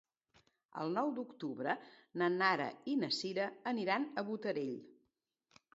El nou d'octubre na Nara i na Sira aniran a Botarell.